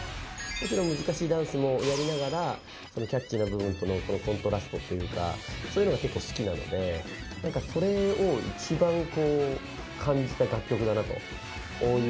もちろん難しいダンスもやりながらキャッチーな部分とのコントラストというかそういうのが結構好きなのでそれを一番感じた楽曲だなというふうに思いましたね。